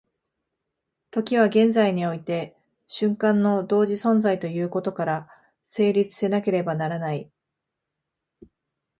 時は現在において瞬間の同時存在ということから成立せなければならない。